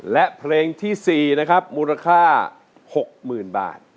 และเพลงที่สี่นะครับมูลธาตุหกหมื่นบาท